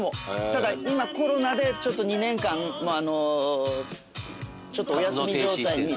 ただ今コロナで２年間ちょっとお休み状態に。